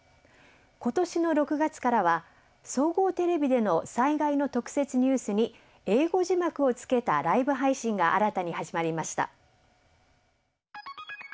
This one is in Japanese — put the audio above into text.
今年の６月からは総合テレビでの災害の特設ニュースに英語字幕をつけたライブ配信が新たに始まりました。